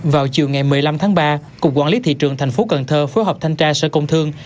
vào chiều ngày một mươi năm tháng ba cục quản lý thị trường tp cn phối hợp thanh tra sở công thương